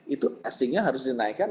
itu testingnya harus dinaikkan